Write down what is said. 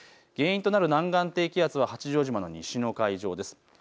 原因となる南岸低気圧は八丈島の西の海上です。